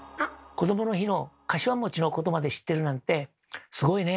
こどもの日のかしわのことまで知ってるなんてすごいね。